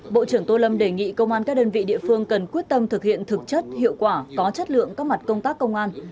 bộ trưởng tô lâm đề nghị công an các đơn vị địa phương cần quyết tâm thực hiện thực chất hiệu quả có chất lượng các mặt công tác công an